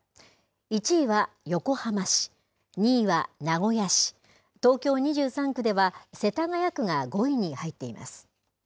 １位は横浜市、２位は名古屋市、東京２３区では、世田谷区が５位に入っています。